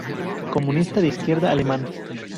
Comunista de izquierda alemán.